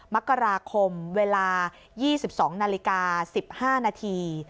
มกราคมเวลา๒๒นาฬิกา๑๕นาที